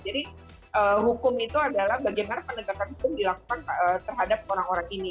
jadi hukum itu adalah bagaimana pendekatan itu dilakukan terhadap orang orang ini